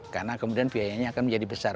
karena kemudian biayanya akan menjadi besar